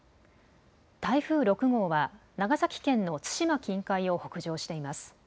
台風６号は長崎県の対馬近海を北上しています。